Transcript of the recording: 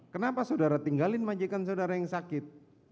kenapa saudara tinggalin majikan saudara yang sakit